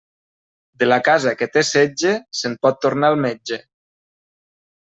De la casa que té setge, se'n pot tornar el metge.